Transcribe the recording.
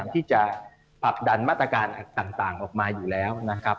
ที่จะผลักดันมาตรการต่างออกมาอยู่แล้วนะครับ